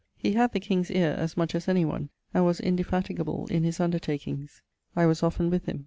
He had the king's eare as much as any one, and was indefatigable in his undertakings. I was often with him.